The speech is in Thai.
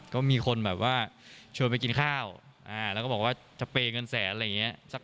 ก็มีคนแบบว่าชวนไปกินข้าวแล้วก็บอกว่าสเปย์เงินแสนอะไรอย่างนี้